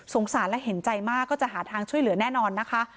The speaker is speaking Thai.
สารและเห็นใจมากก็จะหาทางช่วยเหลือแน่นอนนะคะ